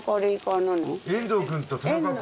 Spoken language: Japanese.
遠藤君と田中君。